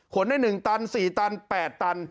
ขนได้หนึ่งตันสี่ตันแปดตัน